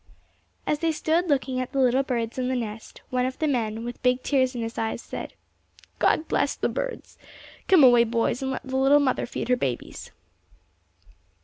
As they stood looking at the little birds in the nest, one of the men, with big tears in his eyes, said, "God bless the birds! Come away, boys, and let the little mother feed her babies."